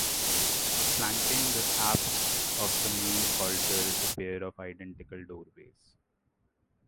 Flanking the apse of the main altar is a pair of identical doorways.